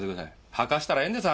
吐かせたらええんです